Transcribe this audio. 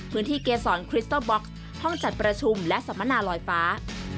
เกษรคริสเตอร์บ็อกซ์ห้องจัดประชุมและสัมมนาลอยฟ้า